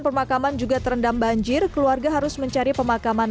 pemakaman juga terendam banjir keluarga harus mencari pemakaman